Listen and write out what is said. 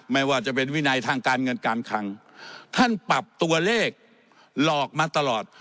ไม่ว่าจะเป็นวินัยทางการเงินการคังท่านปรับตัวเลขหลอกมาตลอด